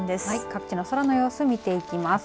各地の空の様子を見ていきます。